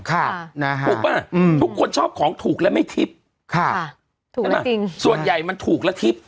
ค่ะนะฮะถูกปะอืมทุกคนชอบของถูกแล้วไม่ทิศค่ะถูกแล้วจริงส่วนใหญ่มันถูกแล้วทิศ